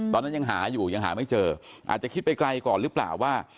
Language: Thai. ตอนนั้นยังหาอยู่ยังหาไม่เจออาจจะคิดไปไกลก่อนหรือเปล่าว่า